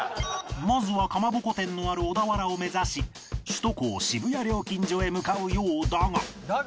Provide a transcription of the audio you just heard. まずはかまぼこ店のある小田原を目指し首都高渋谷料金所へ向かうようだが